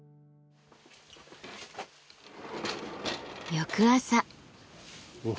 翌朝。